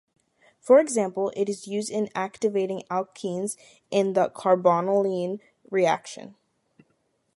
For example, it is used in activating alkenes in the carbonyl-ene reaction.